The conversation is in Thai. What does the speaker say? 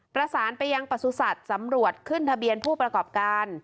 ประสานไปยังประสุทธิ์สำรวจขึ้นทะเบียนผู้ประกอบการ